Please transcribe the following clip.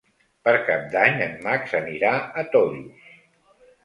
Per Cap d'Any en Max anirà a Tollos.